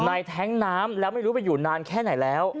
แท้งน้ำแล้วไม่รู้ไปอยู่นานแค่ไหนแล้ว